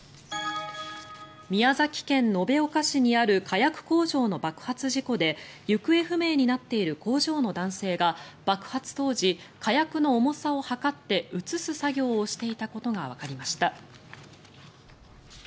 宮崎県延岡市にある火薬工場の爆発事故で行方不明になっている工場の男性が爆発当時、火薬の重さを量って移す作業をしていたことがわかりました。